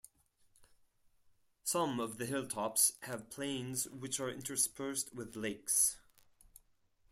Some of the hilltops have plains which are interspersed with lakes.